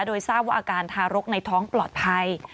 โดยทราบว่าอาการทารกในท้องปลอดภัย